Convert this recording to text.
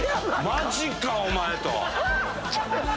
マジか⁉お前と。